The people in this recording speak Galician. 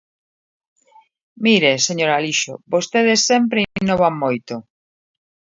Mire, señor Alixo, vostedes sempre innovan moito.